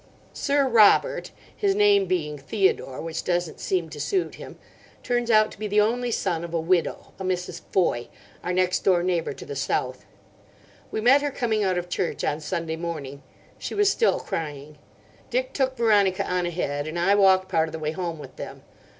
"'Sir Robert'—his name being Theodore, which doesn't seem to suit him—turns out to be the only son of a widow, a Mrs. Foy, our next door neighbour to the south. We met her coming out of church on Sunday morning. She was still crying. Dick took Veronica on ahead, and I walked part of the way home with them.